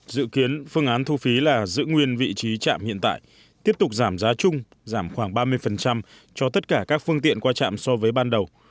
dự kiến phương án thu phí là giữ nguyên vị trí chạm hiện tại tiếp tục giảm giá chung giảm khoảng ba mươi cho tất cả các phương tiện qua trạm so với ban đầu